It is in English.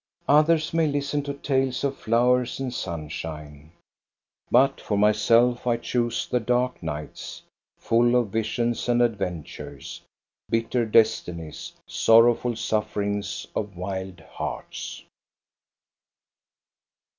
Others may listen to tales of flowers and sunshine ; but for myself I choose the dark nights, full of visions and adventures, bitter destinies, sorrowful sufferings of wild hearts.